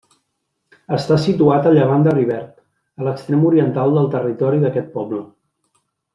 Està situat a llevant de Rivert, a l'extrem oriental del territori d'aquest poble.